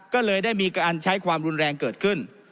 ก็เลยได้มีการใช้ความรุนแรงเกิดขึ้น